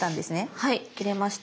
はい切れました。